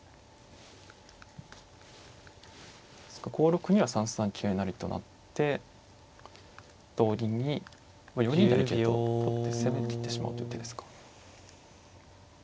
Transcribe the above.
５六歩には３三桂成と成って同銀に４二成桂と取って攻めていってしまおうという手ですか。